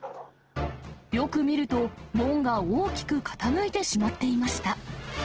よく見ると、門が大きく傾いてしまっていました。